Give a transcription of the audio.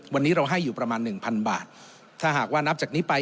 วันนี้เราให้อยู่ประมาณหนึ่งพันบาทถ้าหากว่านับจากนี้ไป